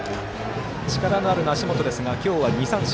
力のある梨本ですが今日は２三振。